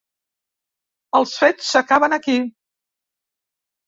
Els fets s'acaben aquí.